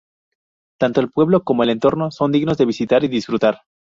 Tanto el pueblo como el entorno son dignos de visitar y disfrutar.